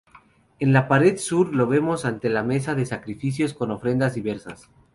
En la pared sur lo vemos ante la mesa de sacrificios con ofrendas diversas.